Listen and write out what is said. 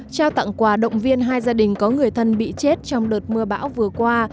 trao tặng quà động viên hai gia đình có người thân bị chết trong đợt mưa bão vừa qua